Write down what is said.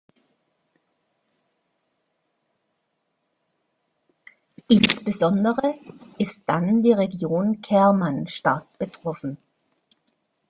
Insbesondere ist dann die Region Kerman stark betroffen.